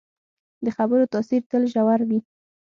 د خبرو تاثیر تل ژور وي